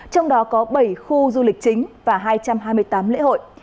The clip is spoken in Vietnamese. trong đó có bảy khu du lịch chính và hai trăm hai mươi tám lễ hội